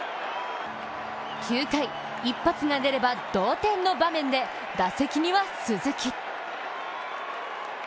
９回、一発が出れば同点のチャンスで打席には鈴木。